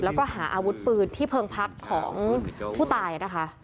แล้วก็หาอาวุธปืนที่เพิงพักของผู้ตายนะคะ